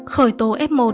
khởi tố f một